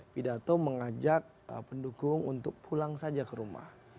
pidato mengajak pendukung untuk pulang saja ke rumah